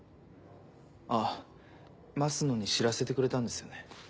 あっ増野に知らせてくれたんですよね。